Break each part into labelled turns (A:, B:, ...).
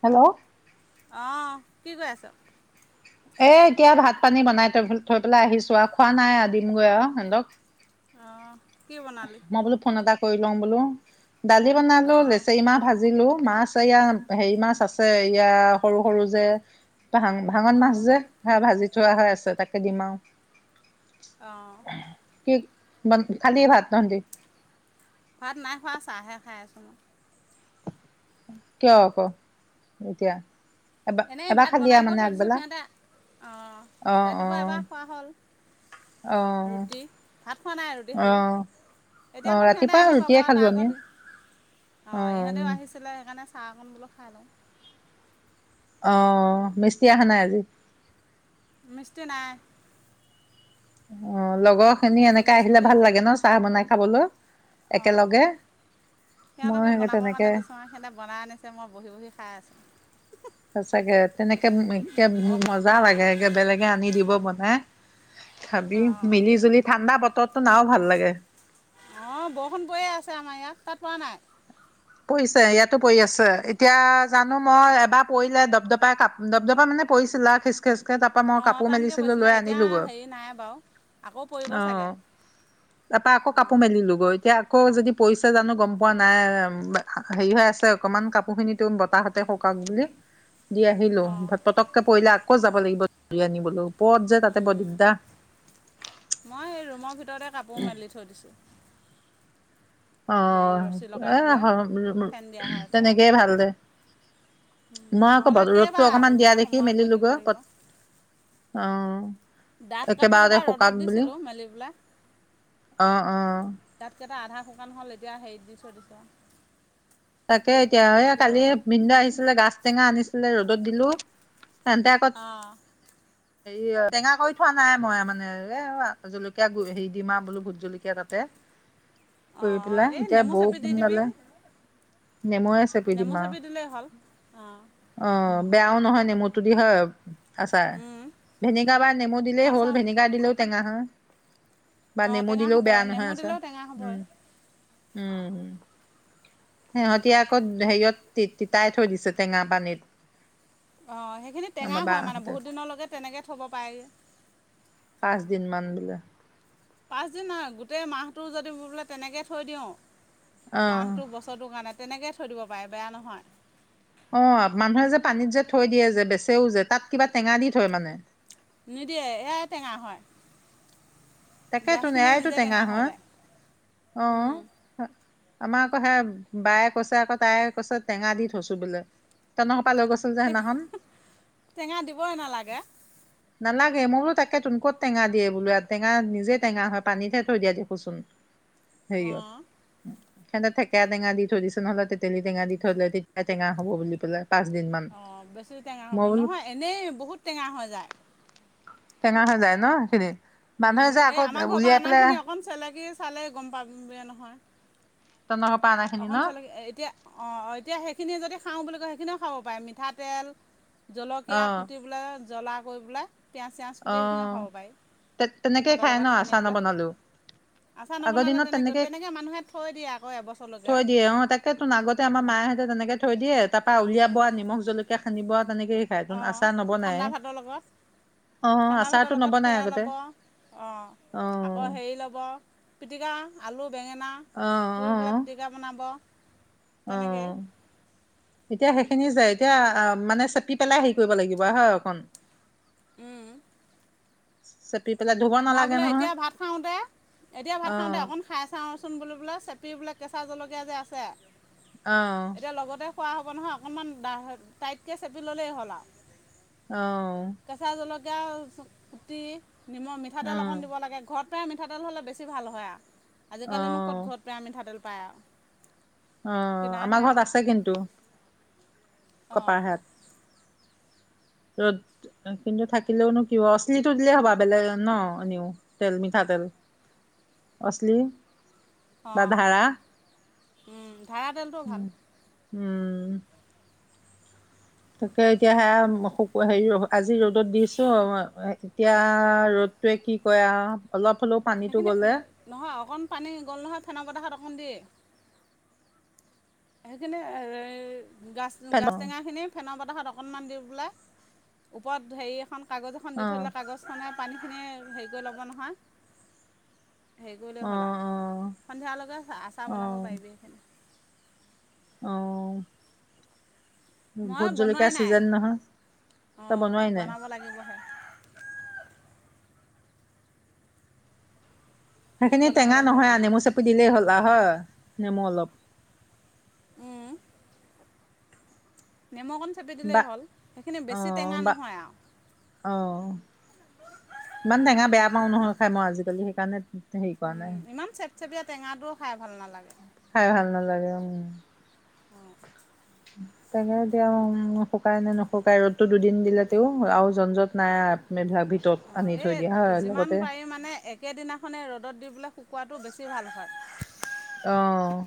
A: Hello
B: অঁ কি কৰিৈ আছ
A: এ এতিয়া ভাত পানী বনাই থৈ থৈ পেলাই আহিছো আৰু খোৱা নাই আ দিমগৈ আৰু সিহঁতক
B: অ
A: মই বোলো ফোন এটা কৰিৈ লওঁ বোলো দালি বনালো
B: অঁ
A: লেচেী মাহ ভাজিলো মাছ আছে এয়া হেৰি মাছ আছে ইয়া সৰু সৰু যে ভাং ভাঙন মাছ
B: অঁ
A: যে হা ভাজি যোৱা হৈ আছে তাকে দিমাও
B: অঁ
A: মানে খালী ভাত। [inaudible]
B: ভাত নাই খোৱা চাহে খাই আছো মই।
A: কিয় আকৌ এতিয়া। এবাৰ
B: এনেই
A: এবাৰ
B: ভাত
A: খালি
B: বনাই
A: আৰু
B: কৈ
A: মানে
B: থৈ দিছো
A: আগবেলা
B: সিহঁতে অ
A: অ অ
B: ৰাতিপুৱা এবাৰ খোৱা হ'ল।
A: অ
B: ৰুটি ভাত খোৱা নাই ৰুটি
A: অ
B: খালোঁ
A: অ
B: এতিয়া আকৌ সিহঁতে
A: ৰাতিপুৱা
B: আহি পাব
A: ৰুটিয়ে
B: আৰু
A: খালো
B: তাৰ
A: আমি
B: আগত অ ইহঁতেও আহিছিলে সেইকাৰণে। চাহ অকণ বোলো খাই লওঁ।
A: অ মিস্ত্ৰী অহা নাই আজি।
B: মিস্ত্ৰী নাই।
A: অ লগৰ। খিনি এনেকে আহিলে ভাল লাগে ন চাহ বনাই। খাবলৈ।
B: অ
A: একেলগে মই
B: সিহঁতকে
A: সেই
B: বনাব
A: তেনেকে
B: কাৰণে দিছো আৰু সিহঁতে বনাই আনিছে মই বহি বহি খাই আছো।
A: সচাকে তেনেকে একে
B: অঁ
A: মজা লাগে একে বেলেগে আনি দিব বনাই। খাবি
B: অঁ
A: মিলি জুলি ঠাণ্ডা বতত। নাও ভাল লাগে।
B: অ বৰষুণ পৰিয়ে আছে আমাৰ ইয়াত তাত পৰা নাই।
A: পৰিছে ইয়াতো পৰি আছে এতিয়া জানো মই এবাৰ পৰিলে দপদপাই কাপ দপদপা মানে পৰিছিলা খিচখিচ। তাপা মই
B: অঁ
A: কাপোৰ
B: টানকৈ
A: মেলিছিলো
B: পৰিছিলে
A: লৈ
B: এতিয়া
A: আনিলো গৈ।
B: হেৰি নাই বাৰু আকৌ পৰিব
A: অ
B: চাগে
A: তাপা আকৌ কাপো
B: এনেকুৱা
A: মেলিলো গৈ এতিয়া। আকৌ যদি পৰিচে জানো গম পোৱা নাই। বা হেৰি হৈ আছে অকমান কাপোৰ খিনি তোন বতাহতে সোকাক বুলি। দি আহিলো
B: অঁ
A: ভ পতককে পৰিলে আক। আকৌ যাব লাগিব ধ আনিবলৈও। পত যে তাতে বৰ দিগদা।
B: মই ৰোমৰ ভিত। ভিতৰতে কাপোৰ মেলি থৈ দিছো।
A: অ এ
B: পেলাই
A: হ
B: ফেন দিয়া হৈ আছে আৰু
A: তেনেকে ভাল দে মই আকৌ ব
B: নহ'লে
A: ৰ'দটো
B: কেইবাৰ
A: অকমান দিয়া
B: ওলোৱা
A: দেখি
B: সোমোৱা কৰি থাকিব
A: মেলিলোগৈ
B: লাগিব
A: পত অ
B: ডাঠ
A: একেবাৰতে
B: কাপোৰকেইটা ৰ'দত
A: সোকাক বুলি
B: দিছিলোঁ মেলি পেলাই
A: অ। অ।
B: ডাঠকেইটা আধা শুকান হ'ল এতিয়া হেৰিত দি থৈ দিছো।
A: তাকে এতিয়া এইয়া কালি বিনদা আহিছিলে গাছ টেঙা আনিছিলে ৰবি। ত দিলো। তেন্তে আকত।
B: অঁ
A: হেৰি টেঙা কৰি থোৱা নাই মই মানে এ জলকীয়া হেৰি দিম আৰু বোলো ভোট জলকীয়া তাতে কৰি
B: অঁ
A: পেলাই
B: এই
A: এতিয়া
B: নেমু
A: বৌ
B: চেপি দি দিবি
A: সোনডালে নেমুৱে চেপি
B: নেমু
A: দিম আৰু।
B: দিলেই হ'ল অঁ
A: বেয়াও নহয় নেমুতোদি হয় আছাৰ ভেনেগাৰ বা নেমু দিলেই হ'ল
B: আচাৰ
A: ভেনেগাৰ দিলেও টেঙা হ বা
B: অঁ
A: নেমু
B: টেঙা
A: দিলেও
B: হ'বই
A: বেয়া
B: নেমু
A: নহয় আছা
B: দিলেও টেঙা হ'বই
A: উম উম হম সিহঁতি আকৌ হেৰিয়ত তি তিতাই থৈ দিছে টেঙা পানীত
B: অ সেইখিনি টেঙা
A: আমাৰ
B: হয় মানে
A: বাহঁতে
B: বহুত দিনলৈকে তেনেকে থব উপায়
A: পাঁচদিন ম বোলে
B: পাচ দিন আৰু গোটেই মাহটো যদি বোলে তেনেকে থৈ দিওঁ
A: অ
B: মাহটো বছৰটোৰ কাৰণে তেনেকৈ থৈ দিব পাৰে বেয়া নহয়
A: অ মানুহে যে পানীত যে থৈ দিয়ে যে বেচেও যে তাত কিবা টেঙা দি থয় মানে
B: নিদিয়ে এয়াই টেঙা হয়
A: তাকেতো
B: গাছখিনিয়ে
A: নৰাাইতটো
B: নিজে
A: টেঙা হ
B: হৈ যায় উম।
A: আহ আমাৰ আকৌ সে বায়ে কৈছে আকৌ তাই কৈছে টেঙা দি থৈছো বোলে তেনেহ
B: টে টেঙা দিবই নালাগে
A: নালাগে মোৰো তাকে টোনকত টেঙা দিয়ে বোলো টেঙা নিজেই টেঙা হয় পানীতহে থৈ দিয়া দেখোচোন সেইয়
B: অঁ
A: সেহতেত ে টেঙা দি থৈ দিছছে নহলে তেতেলী টেঙা দি থ ললে তেতিয়া টেঙা হব বুলি পেললে
B: অ বেছি টেঙা হ'ব নহয় এনেই বহুত টেঙা হৈ যায়
A: টেঙা হৈা যায় ন খেইদিন
B: উম এই আমাৰ ঘৰৰ পৰা অনা খিনি অকন চেলেকি চালে গম পাব নহয়
A: তহঁতৰ পৰা অনাখিনি ন
B: অকন চলেকে এতিয়া অ অ এতিয়া সেই সখিনিয়ি যদি খাওঁ বুলি কয় সেইখিনিও খাব পাৰে মিঠাতেল
A: অ
B: জলকীয়া কুটি পেললৈ জ্বলা কৰি পেলাই পিয়য়াজ চিয়াজ
A: অ
B: কুটি সেইখিনিও খাব পাৰি
A: তেনেকেই
B: ভাতৰ
A: খাই ন
B: লগত সানি
A: আচাৰ
B: বোলে
A: নবনালেও
B: আচাৰ
A: আগৰ
B: নবনালে
A: দিনত
B: তেনেকে
A: তেনেকেই
B: তেনেকে মানুহে থৈ দিয়ে আকৌ এবা
A: থৈ দিয়ে অ তাকে তোন আগতে আমাৰ মায়েহঁতে তেনেকে থৈ দিয়ে তাক উলিয়াব নিমখ জলকীয়া খান্িব তেনেকেই খায় তোন
B: অঁ
A: আচা নবনাই
B: ঠাণ্ডা ভাতৰ লগত
A: অ
B: ঠাণ্ডা ভাতৰ
A: আচাৰটো
B: লগত
A: নবনাই
B: সেয়া
A: আগতে
B: ল'ব
A: অ
B: অঁ আকৌ হেৰি ল'ব পিটিকা আলু বেঙেনা
A: অ
B: পুৰি
A: অ
B: পেলাই পিটিকা বনাব
A: অ
B: তেনেকেই
A: এতিয়া সেইখিনি যাই এতিয়া মানে চেপি পেলাই হেৰি কৰিব লাগিব হয় অকণ
B: উম
A: সত
B: মই বোলে এতিয়া ভাত খাওঁতে এতিয়া ভাত
A: অ
B: খাওঁতে অকন খাই চাওঁচোন বো বোলে চেপি বোলে কেঁচা জলকীয়া যে আছে
A: আহ
B: এতিয়া লগতে খোৱা হ'ব নহয় অকণমান ড টাইটকৈ চেপি ল'লেই হ'ল আৰু
A: আহ
B: গা গুটি নিমখ
A: অ
B: মিঠাতেল অকণ দিব লাগে ঘৰত ায় মিঠাতেল হ'লে বেছি ভাল হয় আৰু
A: অ
B: আজিকালিনো ক'ত ঘৰত পায় আমিাতেল পায়।
A: অ',
B: কিনাহে
A: আমাৰ
B: আৰু
A: ঘৰত আছে কিন্তু। কপাহ
B: অঁ
A: হাত। ৰ'দ কিন্তু থাকিলেওনো কি অশ্লীটো দিলেই হ'বা বেলেগ ন এ নিও তেল মিঠাতেল অশ্লীল।
B: অঁ', ধাৰা তেলটো ভাল।
A: উম। তাকে এতিয়া হে হেৰি আজি ৰ'দত দিছো। এতিয়া ৰ'দটোৱে কি কয় আৰু অলপ। হ'লেও পানীটো
B: সেইখিনি
A: গ'লে
B: নহয় অকণ পানী গ'ল নহয় ফেন বতখাত অকণ দিয়ে। সেইখিনি। গাছ
A: অ
B: গাছ টেঙা
A: অ
B: খিনিয়ে ফেন। বতাহত অকমান দি পেলাই ওপৰত হেৰী এখন। কাগজ এখন দি থৰিলে কাগজখনে। পানীখিনি হেৰি কৰি ল'ব নহয়। হেৰি কৰিলে
A: অ
B: হ'ল আ সন্ধিয়ালৈকে আচাৰ
A: অ
B: বনাব পাৰিবি এইখিনি।
A: অ',।
B: মই
A: ভোট
B: বনোৱাই
A: জলকীয়া
B: নাই,
A: ছিজন নহয় তই
B: অঁ',
A: বনোৱাই নাই
B: বনাব লাগিবহে। মোৰ
A: সেইখিনি
B: বনাব
A: টেঙা
B: লাগিব
A: নহয় আ
B: অকণমান
A: নেমু চেপি দিলেই হ'লা হয়। নেমু অলপ।
B: উম। দিলেই
A: বা
B: হ'ল সেইখিনি বেছি
A: অ',
B: টেঙা
A: বা
B: নহয় আৰু
A: আ', হ ইমান টেঙা বেয়া পাওঁ নহয়। খাই মই আজিকালি সেইকাৰণে। হেৰি কৰাৱা নাই।
B: চব টেঙাটো। ভাল নালাগে
A: খাই ভাল নালাগে উম।
B: অঁ
A: তাকে এতিয়া শুকাই নে নুশুকাই ৰ'দতো দুদিন দিলে তেও আৰু জ্জট নাই ধ
B: অ', এ যিমান পাৰি মানে একেদিনাখনে ৰ'দত দি পোলে। শুকোৱাটো বেছি ভাল হয়।
A: আহ',।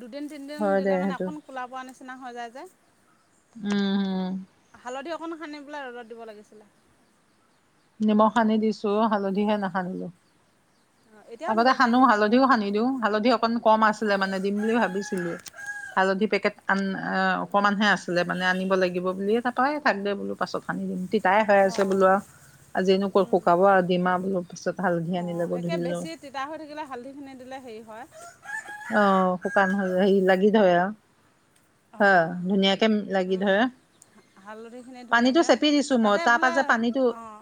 B: দুদিন তিনিদিন দিলে মানে অক
A: সেইটো
B: খোলাোৱা নিচনা। নিচনা হৈ যায় যে।
A: উম উম।
B: অকন সানি পেলাই ৰদত দিব লাগিছিলে।
A: নিমখ সানি দিছো, হালধিহে নাখানিলো।
B: অঁ এতিয়াও দিব
A: আগতে সানো।
B: পাৰিবি হালধি
A: হালধিও
B: অকণ
A: সান্দি
B: সানি
A: দিওঁ, হালধি অকন কম আছিলে
B: অঁ
A: মানে দিম বুলি ভাবিছিলোৱে। হালধি পেকেট আন অকণমানহে আছিলে মানে আনিব লাগিব বুলিয়ে তাৰৰাই থাক দে বোলো পাছত সানি দিম তাই হৈ আছে
B: অঁ
A: বোলোৱা তেনেকুৱা শুকাব আৰু ডিমা বোলৰ পিছত হালধি
B: অঁ
A: আনিলে
B: একে
A: ধৰিিলো
B: বেছি তিতা হৈ থাকিলে হালধিখিনি দিলে হেৰি হয়
A: অ শুকান হ হে লাগি থ হয় আৰু অ
B: অঁ
A: ধুনিয়ীয়া কে লাগি ধৰা
B: হালধিখিনি ধুনীয়াকৈ
A: মই
B: তাতে
A: তাৰ পৰা
B: বোলে
A: যে পানীটো
B: অঁ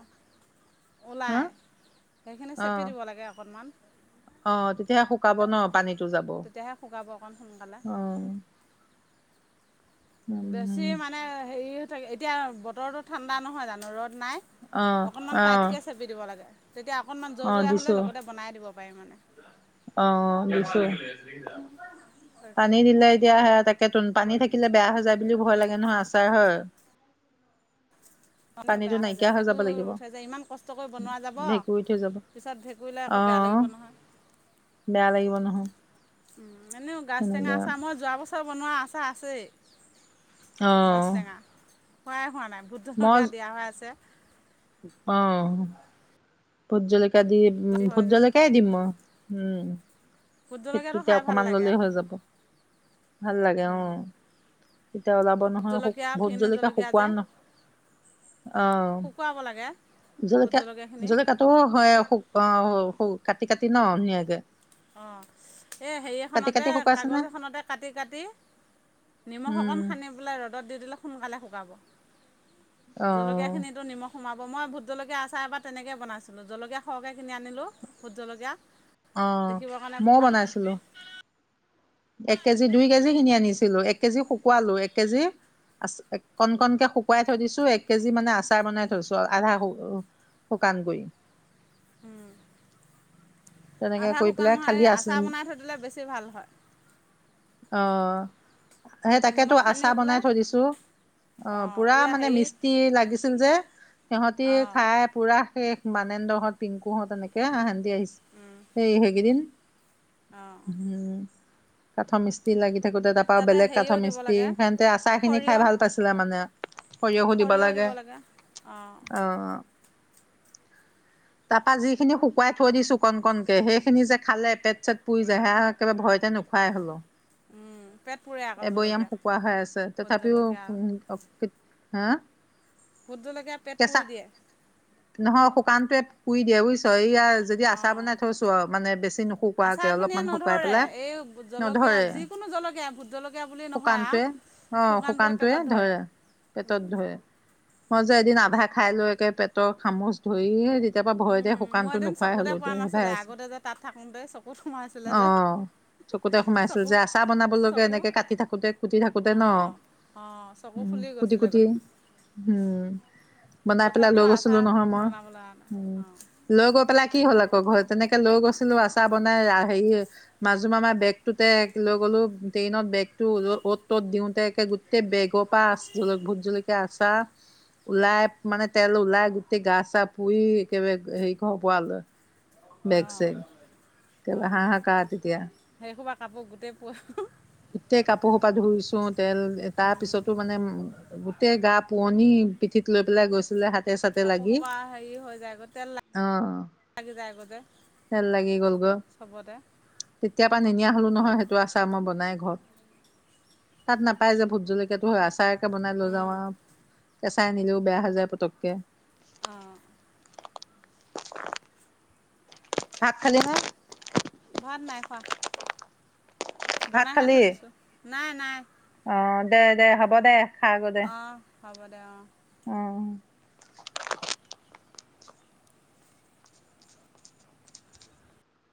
A: হা
B: ওলায় সেইখিনি চেপি দিব লাগে অকণমান
A: আহ তেতিয়াহে শুকাব ন পানীটো যাব অ
B: তেতিয়াহে শুকাব অকণ সোনকালে বেছি
A: উম
B: মানে সে এতিয়া বতৰৰতটো ঠাণ্ডা নহয় জানো ৰ'দ নাই
A: অ
B: অকনমান
A: অ
B: টাইটকে চেপি দিব লাগে তেতিয়া অকণমান
A: অ
B: জৰ জীয়া হ'লে
A: দিছো
B: লগতে বনাই দিব বায় মনা
A: অ নিছো পানী নিলাই দিয়া সে তাক তাকে ত পানী থাকিলে বেয়া হৈ যায় বুলিও ভয় লাগে নহয় আচাৰ হয়
B: মান
A: পানীটো
B: বেয়া হৈ
A: নাইকিয়া
B: যায়
A: যাব
B: ভেঁকুৰ
A: লাগিব
B: উঠাই যায় ইমান কষ্ট কৰি বনোৱা যাব
A: ভেঁকুৰিত হৈ যাব
B: পিছত ভেঁকুৰীলৈ
A: অ
B: আকৌ বেয়া লাগিব নহয়
A: বেয়া লাগিব নহয়
B: উম এানেও গাছ টেঙা
A: সেনেকে
B: আছে মই যোৱা বছৰ বনোৱা আা আছে
A: আহ
B: কৰাই হোৱা নাই ভোটজনকীয়া দিয়া হৈ আছে
A: অ ভতজলৈক দি ভোট
B: হয় যে
A: জালকাই দিম মই উম
B: ভোট
A: সেইটো
B: জলকীয়াটো
A: এতিয়া
B: খাই ভাল
A: অকমান
B: লাগে
A: ললেই
B: আকৌ
A: হৈ যাব ভাল লাগে আহ তেতিয়া ওলাব
B: ভোট
A: নহয়
B: জলকীয়া
A: ভোট
B: ফেনী
A: জলিকীয়া
B: জলকীয়া
A: শুকুৱোৱা
B: যে
A: ন আহ
B: শুকুৱাব লাগে ভোট
A: জলেকা
B: জলকীয়াখিনি
A: জলেকাটো হয় অসু কাটি কাটি ন নগে
B: অঁ এই হেৰি এখনতে
A: শুকাইছে নে
B: কাগজ এখনতে কাটি কাটি নিমখ অকণ
A: উম
B: খান্ি পেলাই ৰ'দত দি দিলে সোনকালে শুকাব
A: অ
B: জলকীয়াখিনিতো নিমখ সোমাব ' মই ভোট জলকীয়া আচাৰ এবাৰ তেনেকৈ বনাইছিলোঁ জলকীয়া সৰহকৈ কিনি আনিলোঁ ভোট জলকীয়া
A: অ
B: দেখিবৰ কাৰণে
A: মই বনাইছিলো এক কেজি দুই কেজি খিনি আনিছিলো এক কেজি শুকালো এক কেজি আ কণ কণকে শুকুৱাই থৈ দিছো এক কেজি মানে আচাৰ বনাই থৈছো আধা শুকান কৰি
B: উম
A: তেনেকে
B: আধা
A: কৰি
B: শুকান
A: পেলাই
B: নহয়
A: খালি
B: এই
A: আ
B: আচাৰ বনাই থৈ দিলে বেছি ভাল হয়
A: আহ সেই তাকেতো
B: নিমখ সানি
A: আচাৰ
B: পেলাই
A: বনাই থৈ দিছো অ
B: অঁ
A: পুৰা
B: এয়া
A: মানে
B: হেৰি
A: মিষ্টি লাগিছিল যে সিহঁতি
B: অঁ
A: খাই পুৰা শেষ মানেন্দৰহঁত পিংকুহঁত এনেকে হেন্দদি আহি সেই হেগদিন
B: অঁ
A: উম কাঠ মি্ত্ৰী লাগি থাকোঁতে তাৰ পৰাৰা
B: তাতে
A: বেলেগ
B: হেৰিও
A: কাঠৰ
B: দিব
A: মস্ত্ৰী
B: লাগে
A: সিহতে আচাৰ খিনি
B: সৰিয়হ
A: খাই ভাল পাইছিলে মানে সৰিয়হ সোধিব
B: সৰিয়হও দিব
A: লাগে
B: অঁ
A: আহ তাৰ পৰাা যিখিনি শুকুৱাই থৈ দিছো কণ কণকে সেইখিনি যে খালে পেট চেট পুৰি যায় সেয়া একেবাৰে ভয়তে নোখোৱাই হলো
B: উম, পেট পুৰে আকৌ
A: এবৈয়াম
B: জলকীয়া,
A: শুকোৱা হৈ আছে
B: ভোট
A: তথাপিও
B: জলকীয়া,
A: হা
B: বুতদলৈকে পেট
A: কেঁচা
B: পৰিুৰি দিয়ে
A: নহয় শুকানটোৱে পুই দিয়ে বুজিছ এই ইয়াৰ যদি আচাৰ
B: অ',
A: বনাই থৈছো আৰু মানে বেছি নুশুকোৱাকে
B: আচাৰখিনিয়ে
A: অলপমান শুকুৱাই
B: নধৰে,
A: পেলাই
B: এই জলকীয়া
A: নধৰে
B: যিকোনো জলকীয়া ভোট জলকীয়া বুলি নহয় আৰু
A: শুকানটোৱে অ শুকানটোৱে ধৰে পেটত ধৰে মই যে এদিন আধা খাই লৈকে পেটৰ খামুচ ধৰি কেতিয়াৰ পৰাা ভয়তে
B: উম, মোৰ
A: শুকানতো
B: এদিন
A: নোখোৱাই হলো
B: চকুতে
A: এতি
B: পৰা
A: হ ভাই
B: নাছিলে,
A: আছ
B: আগতে যে তাত থাকোঁতে চকুত সোমাইছিলে যে,
A: আহ চকুতে সোমাইছিল
B: চকু
A: যে আচাৰ বনাবলৈকে
B: চকু
A: এনেকে কাটি থাকোতে কুটি থাকোতে ন
B: অ', অ', চকু
A: উ
B: ফুলি
A: কুটি কুটি
B: গৈছিলেগৈ,
A: উম বনাই পেলাই লৈ
B: তথাপিও আচা
A: গৈছিলো নহয় মই
B: বনাবলৈন
A: উম লৈ গৈ পেলাই কি হ'ল ঘৰ তেনেকে লৈ গৈছিলো আচাৰ বনাই হেৰি মাজু মামাৰ বেগ টোতে লৈ গ'লো ট্ৰেইনত বেগতটো 'ত ত'ত দিওতেে গোটেই বেগৰ পৰা আ ভোট জলকীয়া আচাৰ ওলাই মানে তেল ওলাই গোটেই গা চা পুই কেব হেই ক পাল বেগ
B: অ',
A: চাইগ কো হা হা ক তেতিয়া
B: পাপ গোটেই পোৱা
A: গোটেই কাপোৰ সোপা ধুইছো তেল তাৰ পিছতো মানে উ গোটেই গা পোৱনি পিঠিত লৈ পেলাই গৈছিলে হাত তাতে চাতে
B: কাপোৰ
A: লাগি
B: সোপা হেৰি হৈ যায়গৈ, তেল
A: অ
B: লাগি যায়গৈ যে
A: তেল লাগি গল গ
B: চবতে
A: তেতিয়াৰ পৰাা নিনিয়া হলো নহয়
B: অঁ
A: সেইটো আচাৰ মই বনাই ঘৰত তাত নাপায় যে ভোত জলকাতটো হয় আচাৰকে বনাই লৈ যাও
B: উম
A: আৰু কেঁচাই নিলেও বেয়া হৈ যায় পতককে
B: আহঁ
A: শাত খালে ন
B: ফাৰনাইফা
A: ভাত
B: বনাইহে
A: খালি
B: থৈ দিছো নাই নাই
A: অ দে দে হ'ব দে খাগৈ দে
B: আহ হ'ব দে অ
A: অ